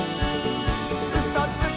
「うそつき！」